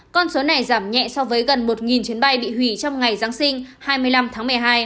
con số này giảm nhẹ so với gần một chuyến bay bị hủy trong ngày giáng sinh hai mươi năm tháng một mươi hai